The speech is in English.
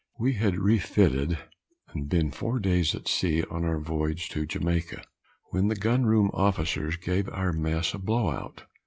We had refitted, and been four days at sea, on our voyage to Jamaica, when the gun room officers gave our mess a blow out.